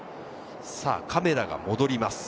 カメラが戻ります。